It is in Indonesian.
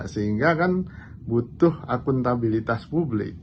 sehingga kan butuh akuntabilitas publik